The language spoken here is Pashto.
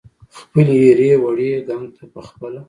خپلې ایرې وړي ګنګ ته پخپله